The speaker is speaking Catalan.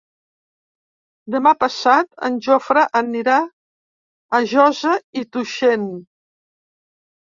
Demà passat en Jofre anirà a Josa i Tuixén.